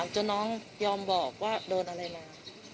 จนน้องยอมบอกว่าโดนอะไรมา